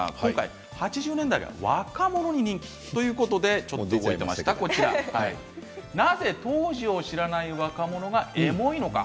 ８０年代の若者に人気ということでなぜ当時を知らない若者がエモいのか